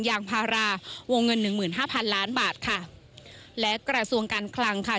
อย่างภาราวงเงิน๑๕๐๐๐ล้านบาทค่ะและกรสวงการคลังค่ะ